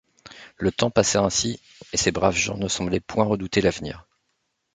Le temps passait ainsi, et ces braves gens ne semblaient point redouter l’avenir.